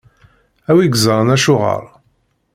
A wi iẓṛan acuɣeṛ.